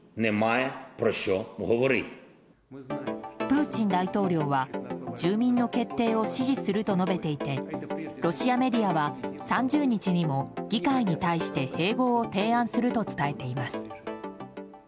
プーチン大統領は住民の決定を支持すると述べていてロシアメディアは３０日にも議会に対して併合を提案すると伝えています。